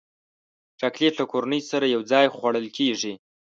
چاکلېټ له کورنۍ سره یوځای خوړل کېږي.